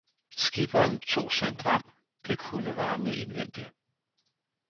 Skipperen tog sig en dram det kunde varme indvendig